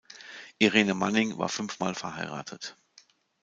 Irene Manning war fünfmal verheiratet.